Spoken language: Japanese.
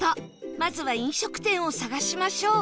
まずは飲食店を探しましょう